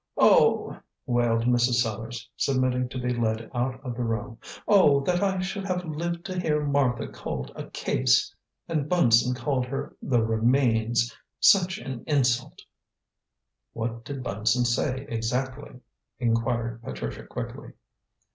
"Oh!" wailed Mrs. Sellars, submitting to be led out of the room. "Oh, that I should have lived to hear Martha called a case! And Bunson called her 'the remains.' Such an insult!" "What did Bunson say exactly?" inquired Patricia quickly.